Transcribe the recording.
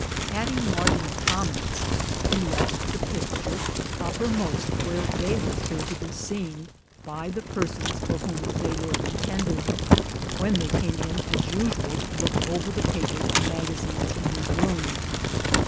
Adding marginal comments, he left the pictures upper most where they were sure to be seen by the persons for whom they were intended, when they came in as usual to look over the papers and magazines in his room.